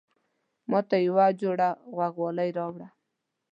ماته يوه جوړه غوږوالۍ راوړه